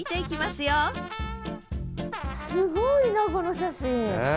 すごいなこの写真。ね！